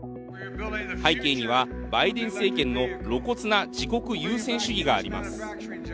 背景にはバイデン政権の露骨な自国優先主義があります。